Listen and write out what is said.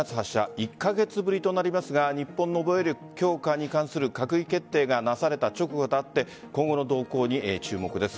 １カ月ぶりとなりますが日本の防衛力強化に関する閣議決定がなされた直後とあって今後の動向に注目です。